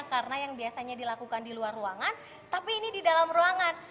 karena yang biasanya dilakukan di luar ruangan tapi ini di dalam ruangan